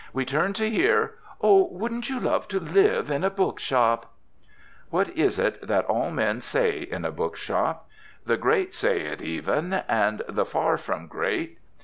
We turn to hear, "Oh, wouldn't you love to live in a book shop!" What is it that all men say in a book shop? The great say it, even, and the far from great.